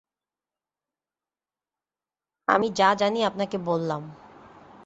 আমি যা জানি আপনাকে বললাম।